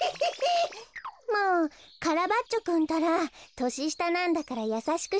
もうカラバッチョくんったら。とししたなんだからやさしくしてあげなきゃ。